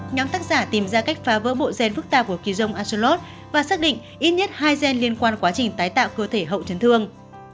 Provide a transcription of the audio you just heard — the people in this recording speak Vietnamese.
nhóm tác giả tìm ra cách phá vỡ bộ gen phức tạp của kỳ jong asolot và xác định ít nhất hai gen liên quan quá trình tái tạo cơ thể hậu chấn thương